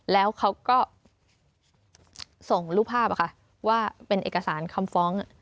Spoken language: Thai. แล้วเขาก็ส่งรูปภาพว่าเป็นเอกสารคำฟ้อง